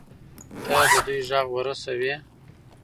ته د دوى غږ ورسوي.